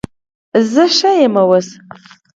زه ښه یم اوس